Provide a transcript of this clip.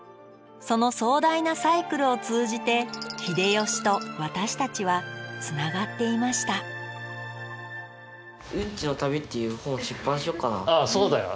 その壮大なサイクルを通じて秀吉と私たちはつながっていましたああそうだよ。